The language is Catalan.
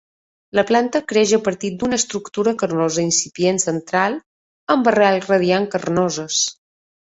La planta creix a partir d'una estructura carnosa incipient central amb arrels radiants carnoses.